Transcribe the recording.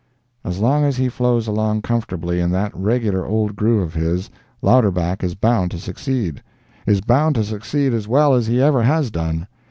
As long as he flows along comfortably in that regular old groove of his, Louderback is bound to succeed—is bound to succeed as well as he ever has done.